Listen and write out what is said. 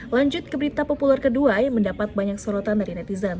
lanjut ke berita populer kedua yang mendapat banyak sorotan dari netizen